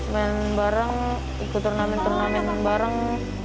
main bareng ikut turnamen turnamen bareng